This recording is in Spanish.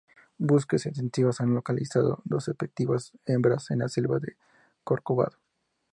Búsquedas extensivas han localizado dos especímenes hembra en la selva de Corcovado.